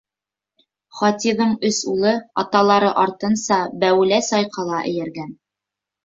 Хатиҙың өс улы аталары артынса бәүелә-сайҡала эйәргән.